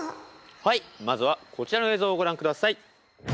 はいまずはこちらの映像をご覧ください。